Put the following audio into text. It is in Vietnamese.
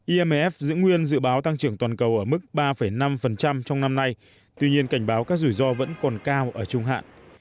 imf giữ nguyên dự báo tăng trưởng toàn cầu ở mức ba năm trong năm nay tuy nhiên cảnh báo các rủi ro vẫn còn cao ở trung hạn